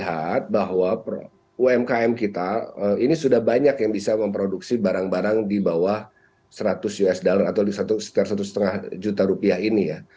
kita lihat bahwa umkm kita ini sudah banyak yang bisa memproduksi barang barang di bawah seratus usd atau sekitar satu lima juta rupiah ini ya